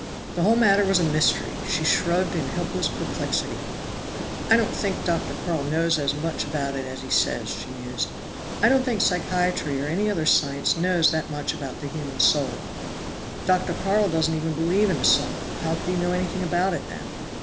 The whole matter was a mystery; she shrugged in helpless perplexity. "I don't think Dr. Carl knows as much about it as he says," she mused. "I don't think psychiatry or any other science knows that much about the human soul. Dr. Carl doesn't even believe in a soul; how could he know anything about it, then?"